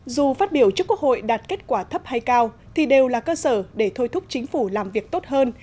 dù phát biểu trước quốc hội đạt kết quả thấp hay cao thì đều là cơ sở để thôi thúc chính phủ làm việc tốt hơn